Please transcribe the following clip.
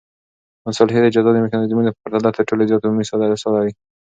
مصالحې د جزا د میکانیزمونو په پرتله تر ټولو زیات عمومي ساه لري.